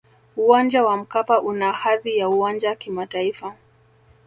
uwanja wa mkapa una hadhi ya uwanja kimataifa